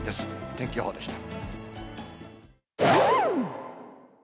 天気予報でした。